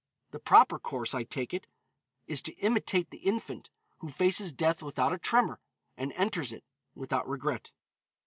The proper course, I take it, is to imitate the infant, who faces death without a tremor, and enters it without regret."